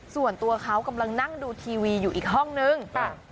ส่วนตัวเขากำลังนั่งดูทีวีอยู่อีกห้องนึง